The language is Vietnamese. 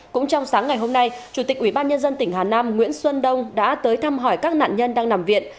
cũng trong sáng ngày hôm nay chủ tịch ubnd tỉnh hà nam nguyễn xuân đông đã tới thăm hỏi các nạn nhân đang nằm viện